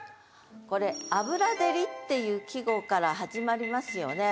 これ「油照り」っていう季語から始まりますよね。